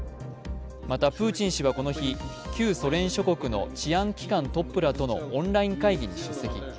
また、プーチン氏はこの日、旧ソ連諸国の治安機関トップらとのオンライン会議に出席。